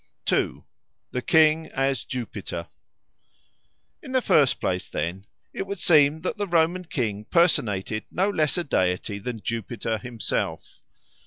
2. The King as Jupiter IN THE FIRST place, then, it would seem that the Roman king personated no less a deity than Jupiter himself.